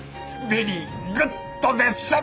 ベリーグッドです！